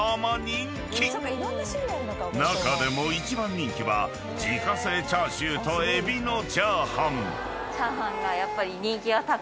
［中でも一番人気は自家製チャーシューと海老の炒飯］